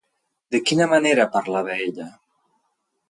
De quina manera parlava ella?